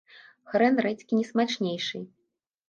Хрэн рэдзькі не смачнейшы.